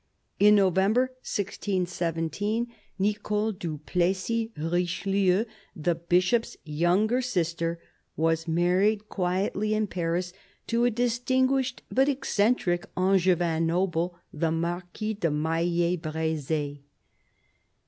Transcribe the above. In November 161 7 Nicole du Plessis Richelieu, the Bishop's younger sister, was married quietly in Paris to a distinguished but eccentric Angevin noble, the Marquis de Maille Br6ze.